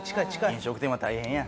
飲食店は大変や。